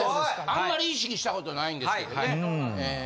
あんまり意識したことないんですけどね。